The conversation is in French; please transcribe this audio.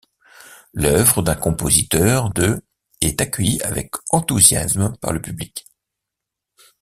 L'œuvre d'un compositeur de est accueillie avec enthousiasme par le public.